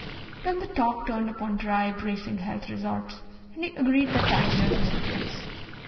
Then the talk turned upon dry, bracing health resorts, and he agreed that Tangier was the place.